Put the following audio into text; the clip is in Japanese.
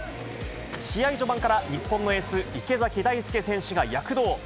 試合序盤から日本のエース、池崎大輔選手が躍動。